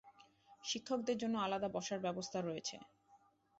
শিক্ষকদের জন্য আলাদা বসার ব্যবস্থা রয়েছে।